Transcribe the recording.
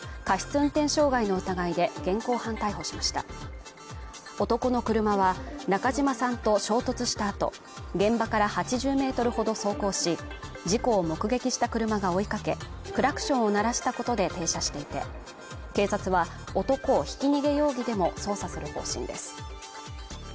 運転傷害の疑いで現行犯逮捕しました男の車は中嶋さんと衝突したあと現場から８０メートルほど走行し事故を目撃した車が追いかけクラクションを鳴らしたことで停車していて警察は男をひき逃げ容疑でも捜査する方針です